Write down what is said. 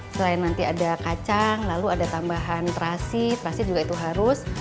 selain nanti ada kacang lalu ada tambahan terasi terasi juga itu harus